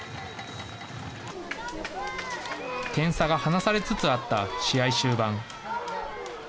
点差が離されつつあった試合終盤。